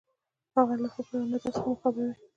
د هغو له فکر او نظر څخه مو خبروي.